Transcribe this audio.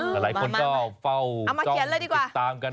หลายคนก็เฝ้าจ้องติดตามกัน